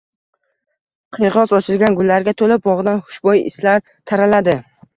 Qiyg`os ochilgan gullarga to`la bog`dan hushbo`y islar taraladi